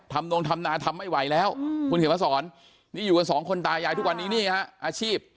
นงทำนาทำไม่ไหวแล้วคุณเขียนมาสอนนี่อยู่กันสองคนตายายทุกวันนี้นี่ฮะอาชีพ